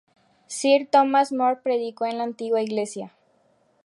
Sir Thomas More predicó en la antigua iglesia.